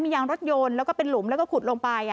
ยางรถยนต์แล้วก็เป็นหลุมแล้วก็ขุดลงไป